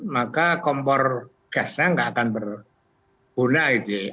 maka kompor gasnya nggak akan berguna gitu ya